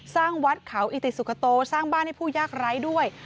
สร้างวัดเขาอิติสุขโตสร้างบ้านให้ผู้ยากไร้ด้วย